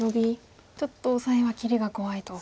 ちょっとオサエは切りが怖いと。